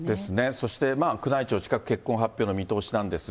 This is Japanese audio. そして、宮内庁、近く結婚発表の見通しなんですが。